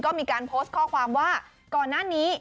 ก็มีการโพสต์ข้อความว่าก่อนหน้านี้